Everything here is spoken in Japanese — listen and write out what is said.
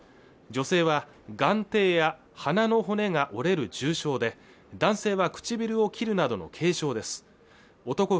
女性は眼底や鼻の骨が折れる重傷で男性は唇を切るなどの軽傷です男